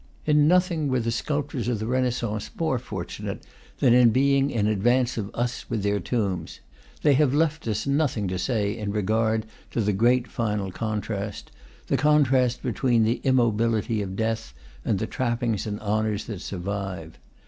In nothing were the sculptors of the Renaissance more fortunate than in being in advance of us with their tombs: they have left us noting to say in regard to the great final contrast, the contrast between the immobility of death and the trappings and honors that survive.